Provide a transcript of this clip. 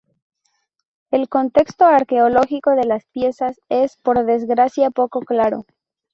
El contexto arqueológico de las piezas es, por desgracia, poco claro.